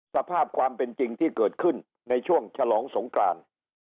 สภาพความเป็นจริงที่เกิดขึ้นในช่วงฉลองสงกราน